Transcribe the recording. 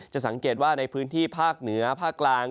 สังเกตว่าในพื้นที่ภาคเหนือภาคกลาง